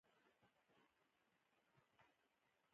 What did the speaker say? نېکبخته یوه عارفه ښځه وه.